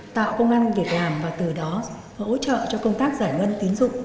tạo công năng việc làm và từ đó hỗ trợ cho công tác giải ngân tiến dụng